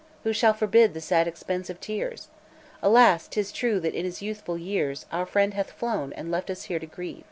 Who shall forbid the sad expense of tears? Alas! 'tis true that in his youthful years Our friend hath flown, and left us here to grief.